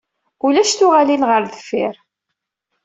Ulac tuɣalin ɣer deffir.